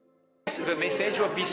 jurnalis cnn indonesia yogi tujuliarto